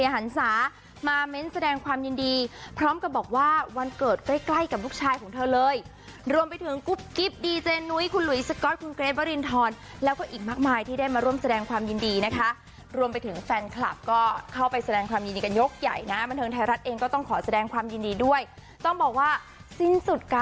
หันศามาเม้นต์แสดงความยินดีพร้อมกับบอกว่าวันเกิดใกล้ใกล้กับลูกชายของเธอเลยรวมไปถึงกุ๊บกิ๊บดีเจนุ้ยคุณหลุยสก๊อตคุณเกรทวรินทรแล้วก็อีกมากมายที่ได้มาร่วมแสดงความยินดีนะคะรวมไปถึงแฟนคลับก็เข้าไปแสดงความยินดีกันยกใหญ่นะบันเทิงไทยรัฐเองก็ต้องขอแสดงความยินดีด้วยต้องบอกว่าสิ้นสุด